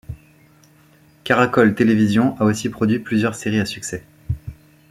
Caracol Televisión a aussi produit plusieurs séries à succès.